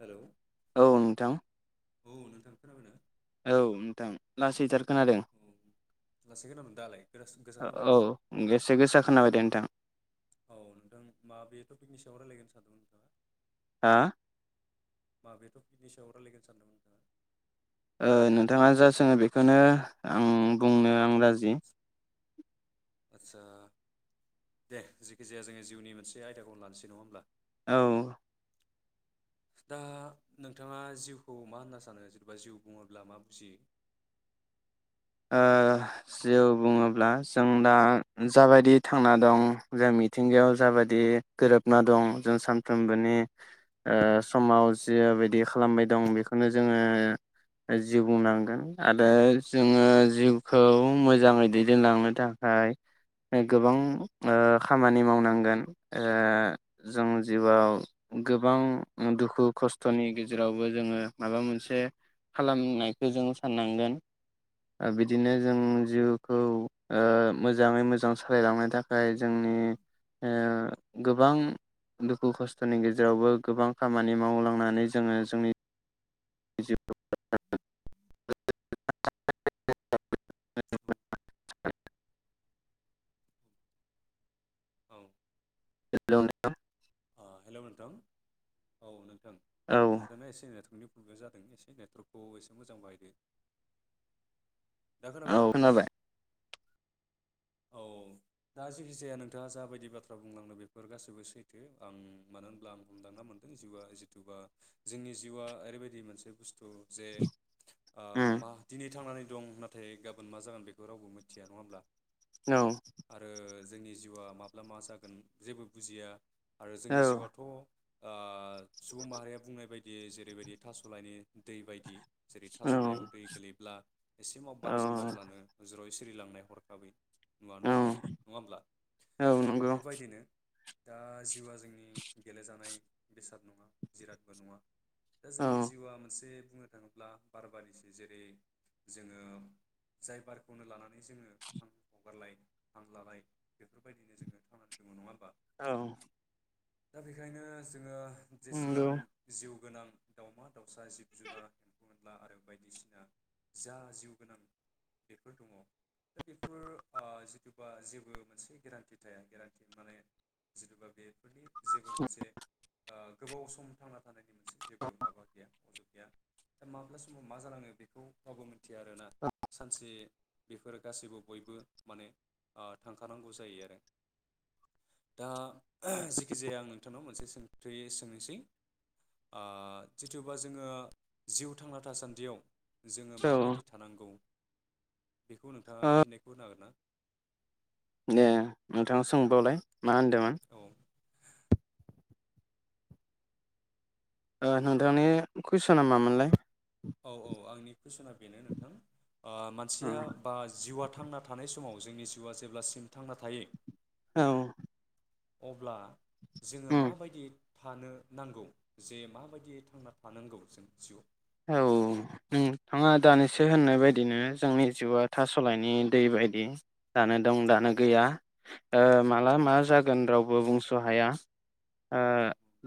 Hello. औ नोंथां। औ नोंथां खोनाबायना? औ नोंथां लासैथार। खोनादों लासै खोनादोमोन दालाय गोज गोसा खोनाबाय औ एसे गोसा खोनाबाय दे नोंथां औ नोंथां माबे टपिकनि सावरायलायगोन सानदोंमोन नोंथांङा। हा? माबे थपिकनि सायाव रायलायगोन सानदोंमोन नोंथांङा? ओ नोंथांङा जा सोंङो बेखौनो आं बुंनो आं राजि। आदसा दे जखि जाया जोंङो जिउनि मोनसे आयदाखौ लानोसै नंङा होमब्ला? औ। दा नोंथांङा जिउखौ मा होनना सानो जेनेबा जिउ बुंङोब्ला मा बुजियो? ओ जिउ बुंङोब्ला जों दा जाबायदि थांना दं जों मिथिंगायाव औ जाबायदि गोरोबना दं जों सानफ्रोमबोनि ओ समाव जिबायदि खालामबाय दं बेखौनो जोंङो जिउ बुंनांगोन आरो जोंङो जिउखौ मोजांङै दैदेनलांनो थाखाय गोबां ओ खामानि मावनांगोन ओ जों जिउआव गोबां दुखु खस्थ'नि गेजेरावबो जोंङो माबा मोनसे खालाम नायखौ जों साननांगोन। ओ बिदिनो जों जिउखौ ओ मोजांङै मोजां सालायलांनो थाखाय जोंनि ओ गोबां दुखु खस्थ'नि गेजेरावबो गोबां खामानि मावलांनानै जोंङो जोंनि जिउ [unintelligible] [unintelligible] औ हेल' नोंथां। ओ हेल' नोंथां औ नों थां औ नोंथांना एसे नेथन प्रबलेम जादों एसे नेटवर्कखौ एसे मोजां बाहायदो। दा औ खोनाबायदा नोंथाङा? खोनाबाय औ दा जेखि जाया नोंथाङा जाबायदि बाथ्रा बुंलांनो बेफोर गासैबो सैथ थो आं मानो होनब्ला आं हमदांना मोनदों जिउआ जिथुबा जोंनि जिउआ ओरैबायदि मोनसे बुस्थु थ जे ओ उम मा दिनै थांनानै दं नाथाय गाबोन मा जागोन बेखौ रावबो मिथिया नङा होमब्ला? औ। आरो जोंनि जिउआ माब्ला मा जागोन जेबो बुजिया आरो जोंनि जिउ आथ' ओ सुबुं माहारिया बुंनाय बायदि जेरैबायदि थास'लाइनि दै बायदि जेरै औ थास'लायाव दै गोलैब्ला एसे माव औ बारजों मावब्लानो ज्रय। सिरिलांनाय हरखाबै। नुवा औ नुस्लाबि नङा होमब्ला औ दा नंगौ बेफोर बायदिनो दा जीउ आ जोंनि गेले जानाय बेसाद नङा जिरादबो नङा। दा औ जोंनि जिउआ मोनसे बुंनो थाङोब्ला बार बारिसो जेरै जोङो जाय बारखौनो लानानै जोङो हां हगारलाय हां लालाय बेफोर बायदिनो जोङो थांनानै दङ नङा होमबा? औ दा बेखायनो जोङो नंगौ जेसेबां जिउ गोनां दाउमा दाउसा जिब जुनार एम्फौ एनला आरो बायदिसिना जा जिउ गोनां बेफोर दङ दा बेफोर ओ जिथुबा जेबो मोनसे गेरान्थि थाया गेरान्थि माने जेथ'बा बेफोरनि जेबो मोनसे ओ गोबाव सम थांना थानायनि मोनसे जेबो माबा गैया अजु गैया दा माब्ला समाव मा जानङो बेखौ रावबो मिथिया आरोना सानसे बेफोर गासैबो बयबो माने ओ थांखानांगौ जायो आरो। दा ओ जिखि जाया आं नोंथांनाव मोनसे सों थि सोंनोसै ओ जिथुबा जोङो जिउ थांना थासान्दियाव जोङो औ माबायदि थानांगौ? बेखौ नोंथाङा ओ फिननायखौ होनो हागोन ना? दे नोंथाङा सोंबावलाय? मा होनदों मोन? औ नोंथांनि कुइसना मामोनलाय औ औ आंनि कुइसना बेनो नोंथां मानसिया बा जिउआ थांना थानाय समाव जोंनि जिउआ जेब्लासिम थांना थायो। औ अब्ला जोङो उम माबायदियै थानो नांगौ जे माबायदियै थांना थानांगौ जों जिउआव औ नोंथाङा दानिसो होननाय बादिनो जोंनि जिउआ थास'लायनि दै बदि दानो दं जिउआव दानो गैया औ माला मा जागोन गोन रावबो बुंस' हाया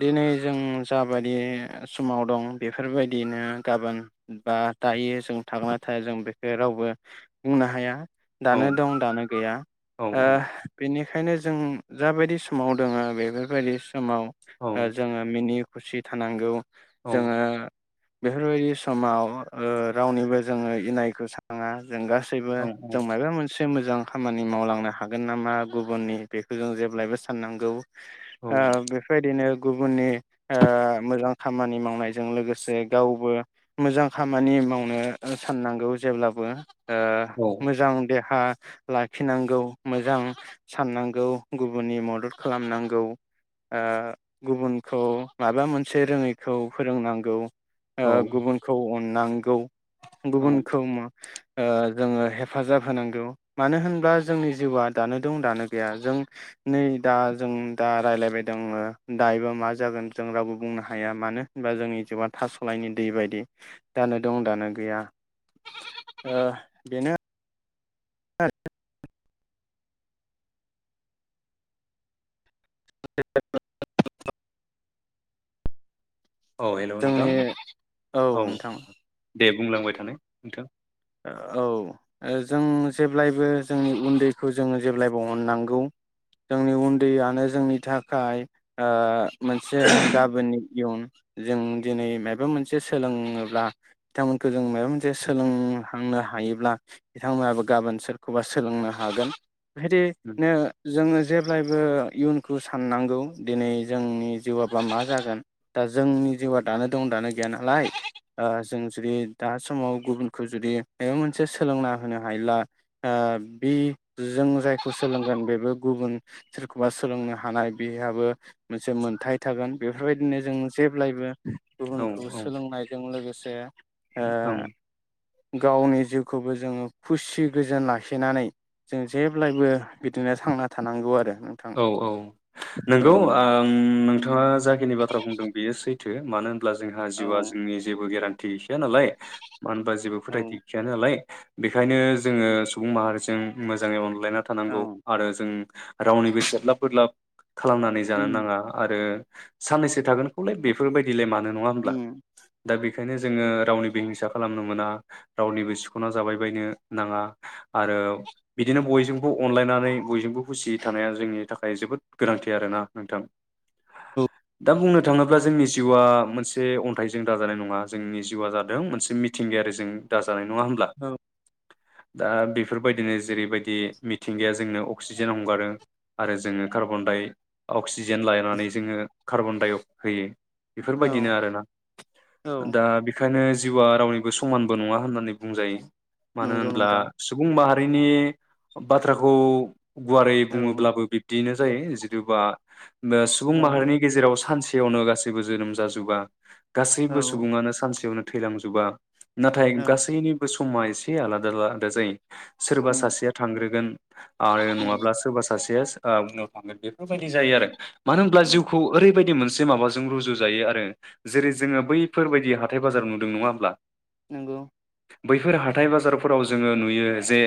दिनै जों जाबायदि समाव दं बेफोरबायदि बिदिनो गाबोन बा दायो जों थांना थाया जों बेखौ रावबो बुंनो हाया दानो दं दानो गैया औ ओ बेनिख बेखायनो जों जाबायदि समाव दोङो बेफोरबायदि समाव औ जोङो मिनि खुसि थानांगौ औ जोङो बेफोरबायदि समाव‌ओ रावनिबो जोङो इनायखौ सोङा जों गासैबो औ जों मायाबा मोनसे एसे मोजां खामानि मावलांनो हागोन नामा गुबुननि बेखौ जों जेब्लायबो साननांगौ। ओ बेफोरदिनो गुबुननि मोजां खामानि मावनायजों लोगोसे से गावबो मोजां खामानि मावनो साननांगौ जेब्लाबो ओ औ मोजां दे हा लाखिनांगौ मोजां साननांगौ गुबुननि मदद खालामनांगौ आ गुबुनखौ माबा मोनसे रोङैखौ फोरोंनांगौ। ओ औ गुबुनखौ अन नांगौ औ गुबुनखौ ओ जोङो हेफाजाब होनांगौ मानो होनबा जोंनि जिउआ दानो दं दानो गैया जों नै दा जों दा राय्लायबाय दं दायोबा मा जागोन जों रावबो बुंनो हाया मानो होनबा जोंनि जिउआ थास'लायनि दै बायदि दानो दं दानो गैया ओ बेनो [unintelligible] [unintelligible] औ हेलौ नोंथां जोंनि औ दे बुंलांबाय थानाय नोंथां औ जों जेब्लायबो जोंनि उन्दैखौ जोङो जेब्लायबो अननांगौ जोंनि उन्दैयनो जोंनि थाखाय मोनसे गाबोननि इयुन जों दिनै माबा मोनसे सोलोङोब्ला बिथांमोनखौ जों माबा मोनसे सोलों थांनो हायोब्ला बिथांमोनाबो गाबोन सोरखौबा सोलोंनो हागोन। बेदिनो जोङो जेब्लायबो इयुनखौ साननांगौ दिनै जोंनि जिउआबा मा जागोन दा जोंनि जिउआ दानो दं दानो गैया नालाय जों जुदि दा समाव गुबुनखौ जुदि बेा मोनसे सोलोंना होनो हायोब्ला ओ बि जों जायखौ सोलोंगोन बेबो गुबुन सोरखौबा सोलोंनो हानाय बेहाबो मोनसे मोनथाय थागोन बेफोरबायदिनो जों जेब्लायबो औ गुबुनखौ सोलोंनायजों लोगोसे ओ औ गावनि जिउखौबो जोङो खुसि गोजोन लाखिनानै जों जेब्लायबो बिदिनो थांना थानांगौ आरो। नोंथां औ औ औ नंगौ आं नोंथाङा जाखिनि बाथ्रा बुंदों बेयो सै थो मानो होन ब्ला जोंहा औ जिउआ जोंनि जेबो गेरेन थसे नालाय मानो होनबा जेबो औ फोथायथि गैखाया नालाय बेखायनो जोङो सुबुं माहारिजों मोजाङै अन लायना थानांगौ औ आरो जों रावनिबो सेलाब बोरलाब खालामनानै जानो उम नाङा आरो साननैसो थागोनखौलाय बेफोरबायदिलाय मानो नङा होमब्ला। उम दा बेखायनो जोङो रावनिबो हिंसा खालामनो मोना रावनिबो सिख'ना जाबाय बायनो नाङा आरो बिदिनो बयजोंबो अनलायनानै बयजोंबो खुसि थानाया जोंनि थाखाय जोबोद गोनांथि आरोना नोंथां दा बुंनो थाङोब्ला जोंनि जिउआ मोनसे अन्थाइजों दाजानाय नङा जोंनि जिउआ जादों मोनसे मिथिंगायारि जों दाजा नाय नङा होनब्ला। औ दा बेफोरबायदिनो जेरैबायदि मिथिंगाया जोंनो अक्सिजेन हगारो आरो जोङो कार्बन-डाइ अक्सिजेन लानानै जोङो कार्बनडाइ होयो। बेफोरबायदिनो औ आरोना औ दा बेखायनो जिउआ रावनिबो समानबो नङा होननानै बुंजायो। मानो नंगौ होनब्ला नोंथां सुबुं माहारि नि बाथ्राखौ गुवारै औ बुङो बिब्दिनो जायो जिथुबा ओ सुबुं औ माहारिनि गेजेराव सानसे यावनो गासैबो जोनोम जाजोबा। औ गासैबो सुबुङानो सानसेयावनो थैलांजोबा। नाथाय औ गासैनिबो समा एसे आलादा आलादा जायो। सोरबा उम सासेया थांग्रोगोन आरो नङाब्ला सोरबा सासे सासेआ उनाव थांगोन बेफोरबायदि जायो आरो। मानो होमब्ला उम जिउखौ ओरैबायदि मोन मोनसे माबाजों रुजु जायो आरो जेरै जोङो बैफोरबायदि हाथाय बाजार नुदों नङा होमब्ला। नोंगौ। बैफोर हाथाइ बाजारफोराव जोङो नुयो जे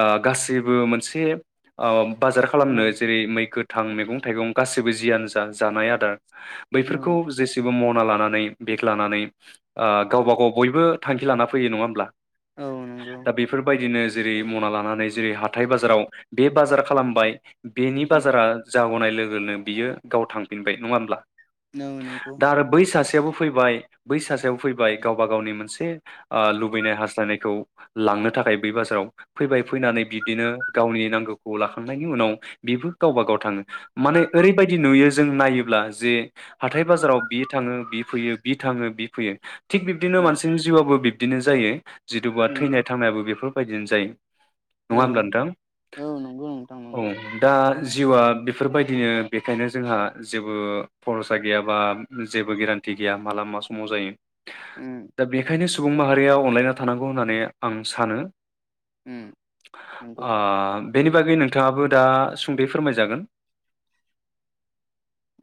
ओ गासैबो मोनसे ओ बाजार खालामनो औ जेरै मैखो थां मैगं थाइगं गासैबो जियानो जा जानाय आदार बैफोरखौ औ जेसेबो मद ना लानानै बेग लानानै। ओ औ गावबा गाव बयबो। थांखि लाना फैयो नङा होमब्ला। औ नंगौ दा बेफोरबायदिनो जेरै मना लानानै जेरै हाथाइ बाजाराव बे बाजार खालामबाय। बेनि औ बाजारा जागनाय लो लोगोनो बियो गाव थांफिनबाय नङा होमब्ला। [unintelligible] नोंगौ। दा आरो [unintelligible] फैबाय बै सासेयाबो फैबाय गावबा गावनि मोनसे ओ लुबैनाय हास्थायनायखौ लांनो थाखाय बै बाजाराव फैबाय फैनानै बिब्दिनो गावनि नांगौ। खौ लाखांनायनि उनाव बेबो गावबा गाव थाङो माने ओरैबायदि नुयो जों नायोब्ला जे हाथाय बाजाराव बि थाङो बि फैयो बि थाङो बि फैयो। थिग बिबदिनो उम मानसिनि जिउआबो बिब दिनो जायो। जिथुबा नंगौ थैनाय थांनायाबो बेफोराव बायदिनो जायो। नङा होमब्ला नोंथां। औ नंगौ नोंथां औ नंगौ दा दा जिउआ बेफोरबायदिनो बेखायनो जोंहा जेबो खरसा गैया बा जेबो गेरान्थि गैया माला मा समाव जायो। उम दा बेखायनो सु सुबुं माहारिया अनलायना थानांगौ होननानै आं सानो। उम नंगौ आ बागै नोंथाङाबो दा सुंदयै फोरमायजागोन।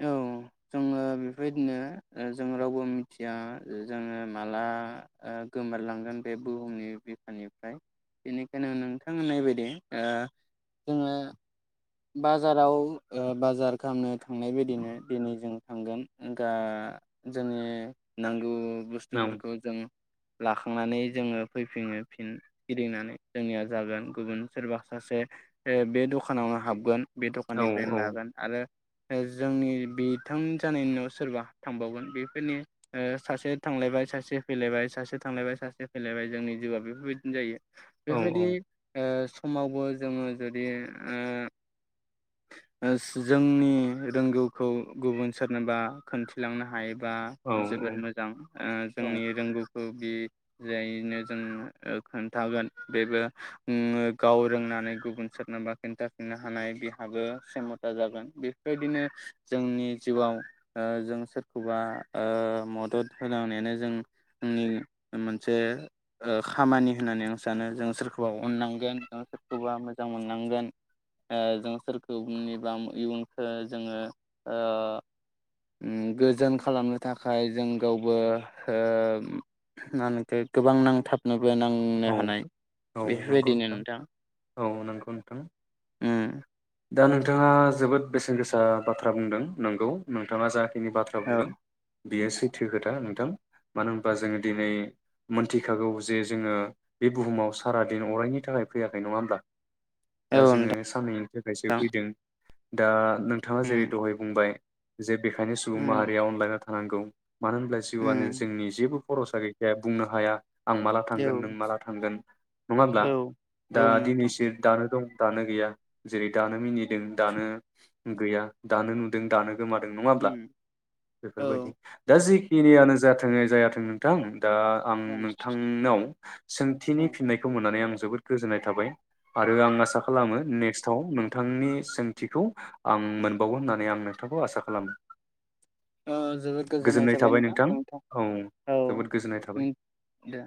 औ जोङो बेफोरबायदिनो जों रावबो मिथिया जोङो माला ओ गोमोरलांगोन बे बुहुमनि बिफानिफ्राय बेनिखायनो नोंथां होन्नाय बादि ओ जोङो बाजाराव ओ बाजार खालामनो थांनाय बायदिनो दिनै जों थांगोन दा जोंनि नांगौ। औ बुस्थुफोरखौ जों लाख थांनानै जोङो फैफि फिन गिदिंनानै जोंनिया जागोन गुबुन सोरबा सासे बे दखानावनो हाब गोन। बे औ दखाननिफ्रायनो औ लागोन आरो ओ जोंनि बिथां जानायनि उनाव सोरबा थांबावगोन बेफोरनि ओ सासे थांलायबाय सासे फैलायबाय सासे थांलायबाय सासे फैलायबाय जोंनि जिउआ बेफोरबायदिनो जायो। औ बेबायदि ओ समावबो जोङो जुदि ओ ओ जोंनि रोंगौखौ गुबुन सोरनोबा खोनन्थिलांनो हायो। बा औ जोबोद मोजां ओ औ जोंनि रोंगौ। औ बि जायैनो जों ओ खोनथागोन बेबो उ गाव रोंनानै गुबुन सोरनोबा खिन्थाफिननो हा हानाय बिहाबो सेमथा जागोन बेफोरबायदिनो जोंनि जिउआव ओ जों सोरखौबा ओ मदद होलांनायानो जों नि मोनसे ओ खामानि होननानै आं सानो जों सोरखौबा अननांगोन जों सोरखौबा मोजां मोननांगोन। ओ जों सोरखौनिबा इयुनखो जोङो ओ गोजोन खालामनो थाखाय जों गावबो ओ मा होनो गोबां नांथाबनो बोनांनो औ हानाय औ नंगौ बेफोरबायदिनो नोंथां। औ नंगौ नोंथां उम दा नोंथाङा जोबोद बेसेन गोसा बाथ्रा बुंदों नंगौ नोंथाङा जा खिनि बाथ्रा औ बुंदों। बियो सैथो खोथा नोंथां मानो होनबा जोङो दिनै मोनथिखागौ जे जोङो बे बुहुमाव सारा दिन अरायनि थाखाय फैयाखै नङा होमब्ला? औ दा जोङो नोंथां साननैनि थाखायसो फैदों। दा नोंथाङा जेरै उम दहाय बुंबाय जे बेखायनो सुबुं उम माहारिया अनलायना था थानांगौ। मानो होनब्ला जिउआनो उम जोंनि जेबो बर'सा गैखाया बुंनो हाया। आं माला औ थांगोन नों माला थांगोन। नङा होमब्ला औ दा औ नोंथां दिनैसो दानो दं। दानो गैया जेरै दानो मिनि दों दानो गैया दानो नुदों दानो गोमादों नङा होमब्ला उम औ बेफोरबायदि दा जि खिनियानो जाथोंयै जायाथों नोंथां दा आं औ नोंथांनाव सोंथिनि औ फिननायखौ मोननानै आं जोबोद गोजोननाय थाबाय आरो आं आसा खालामो नेक्स्टआव नोंथांनि सोंथिखौ आं मोनबावगोन होननानै आं नोंथांखौ आसा खालामो। ओ जोबोद गोजोननाय जाबाय नोंथां नोंथां औ जोबोद गोजोननाय थाबाय नों दे।